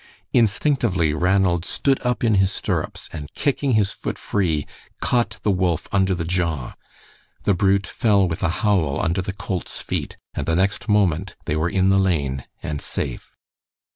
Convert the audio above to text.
Instinctively Ranald stood up in his stirrups, and kicking his foot free, caught the wolf under the jaw. The brute fell with a howl under the colt's feet, and next moment they were in the lane and safe.